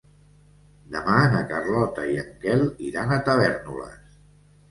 Demà na Carlota i en Quel iran a Tavèrnoles.